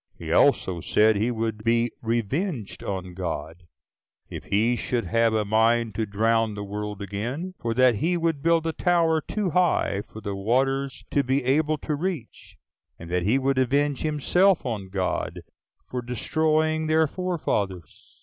He also said he would be revenged on God, if he should have a mind to drown the world again; for that he would build a tower too high for the waters to be able to reach! and that he would avenge himself on God for destroying their forefathers!